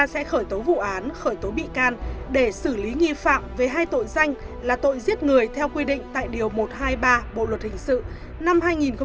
sẽ khởi tố vụ án khởi tố bị can để xử lý nghi phạm về hai tội danh là tội giết người theo quy định tại điều một trăm hai mươi ba bộ luật hình sự năm hai nghìn một mươi năm